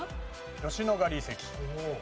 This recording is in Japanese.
吉野ヶ里遺跡。